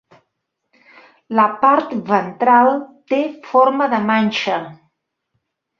La part ventral té forma de manxa.